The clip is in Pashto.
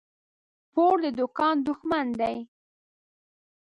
پور د دوکان دښمن دى.